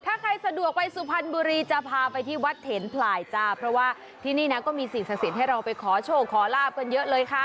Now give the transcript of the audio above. ถ้าใครสะดวกไปสุพรรณบุรีจะพาไปที่วัดเถนพลายจ้าเพราะว่าที่นี่นะก็มีสิ่งศักดิ์สิทธิ์ให้เราไปขอโชคขอลาบกันเยอะเลยค่ะ